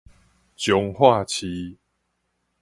彰化市